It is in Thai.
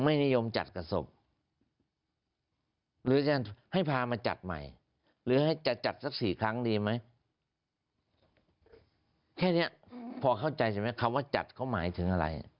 ไม่มีเพราะพระยารไปไม่ถึง